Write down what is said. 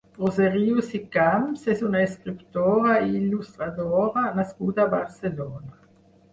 Roser Rius i Camps és una escriptora i il·lustradora nascuda a Barcelona.